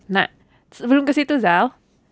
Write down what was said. nah sebelum kesitu zal